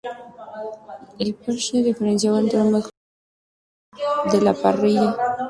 El Phoenix se diferencia del Ventura, en sólo pequeños detalles como la parrilla.